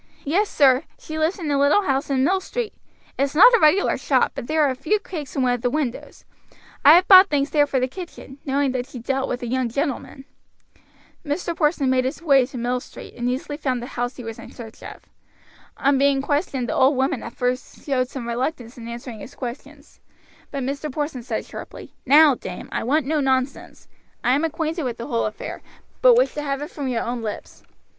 "Yes, sir; she lives in a little house in Mill Street; it's not a regular shop, but there are a few cakes in one of the windows; I have bought things there for the kitchen, knowing that she dealt with the young gentlemen." Mr. Porson made his way to Mill Street and easily found the house he was in search of. On being questioned the old woman at first showed some reluctance in answering his questions, but Mr. Porson said sharply: "Now, dame, I want no nonsense; I am acquainted with the whole affair, but wish to have it from your own lips.